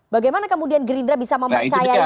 bagaimana kemudian gerindra bisa mempercayai